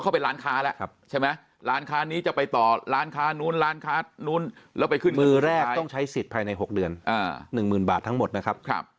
มือแรกต้องใช้สิทธิ์ภายใน๖เดือน๑๐๐๐๐บาททั้งหมดนะครับ